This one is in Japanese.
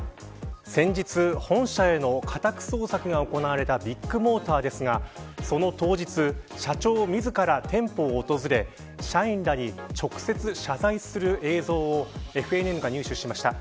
先日、本社への家宅捜索が行われたビッグモーターですがその当日、社長自ら店舗を訪れ社員らに直接謝罪する映像をＦＮＮが入手しました。